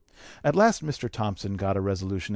At last Mr. Thompson got a resolution (p.